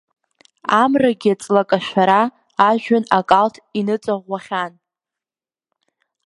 Амрагьы ҵлакашәара ажәҩан акалҭ иныҵаӷәӷәахьан.